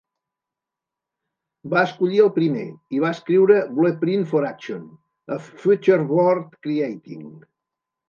Va escollir el primer, i va escriure Blueprint for Action: A Future Worth Creating.